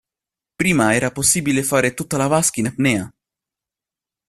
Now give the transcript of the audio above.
Prima era possibile fare tutta la vasca in apnea.